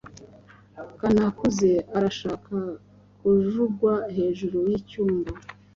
Kanakuze arashaka kujugua hejuru yicyumba.